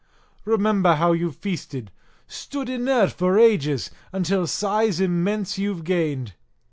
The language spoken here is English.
Remember how you've feasted, stood inert for ages, until size immense you've gained.